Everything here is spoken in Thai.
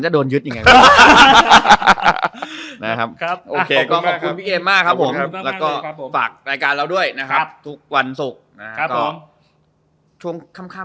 ช่วงค่ำ